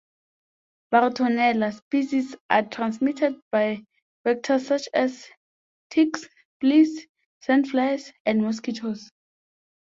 "Bartonella" species are transmitted by vectors such as ticks, fleas, sand flies, and mosquitoes.